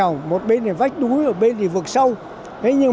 ông thiều quang mộc chín mươi bốn tuổi dân công xe thù